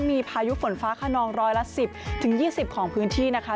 มีพายุฝนฟ้าขนองร้อยละ๑๐๒๐ของพื้นที่นะคะ